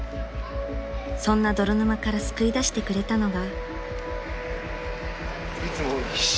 ［そんな泥沼から救い出してくれたのが］